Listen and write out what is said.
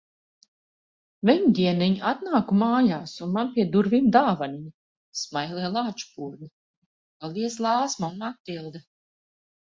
Viņdieniņ atnāku mājās un man pie durvīm dāvaniņa-Smailie lāčpurni! Paldies Lāsma un Matilde!